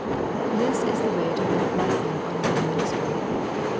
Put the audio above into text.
This is the way to win a blessing on his own ministry.